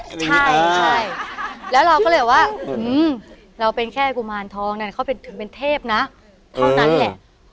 ใช่แล้วเราก็เลยบอกว่าเราเป็นแค่กุมารทองนั้นเขาถึงเป็นเทพนะเท่านั้นแหละ